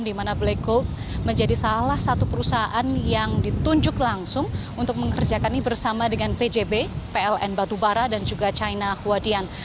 di mana black gold menjadi salah satu perusahaan yang ditunjuk langsung untuk mengerjakan ini bersama dengan pjb pln batubara dan juga china huadian